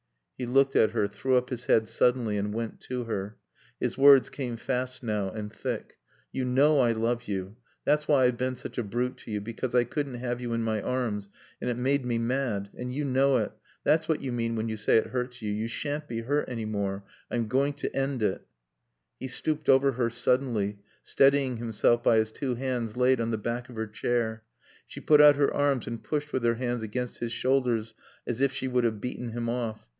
He looked at her, threw up his head suddenly and went to her. His words came fast now and thick. "You know I love you. That's why I've been such a brute to you because I couldn't have you in my arms and it made me mad. And you know it. That's what you mean when you say it hurts you. You shan't be hurt any more. I'm going to end it." He stooped over her suddenly, steadying himself by his two hands laid on the back of her chair. She put out her arms and pushed with her hands against his shoulders, as if she would have beaten him off.